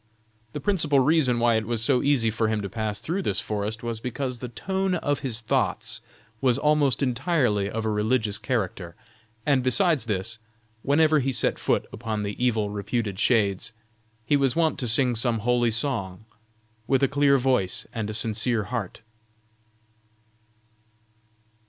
The principal reason why it was so easy for him to pass through this forest was because the tone of his thoughts was almost entirely of a religious character, and besides this, whenever he set foot upon the evil reputed shades, he was wont to sing some holy song, with a clear voice and a sincere heart.